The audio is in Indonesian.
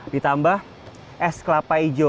ditambah es kelapa hijau